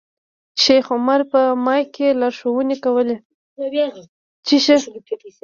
شیخ عمر په مایک کې لارښوونې کولې.